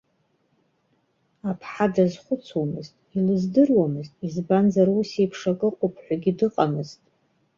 Аԥҳа дазхәыцуамызт, илыздыруамызт, избанзар усеиԥш акы ыҟоуп ҳәагьы дыҟамызт.